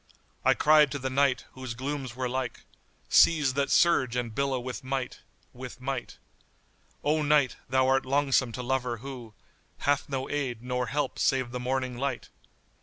I cried to the Night, whose glooms were like * Seas that surge and billow with might, with might: 'O Night, thou art longsome to lover who * Hath no aid nor help save the morning light!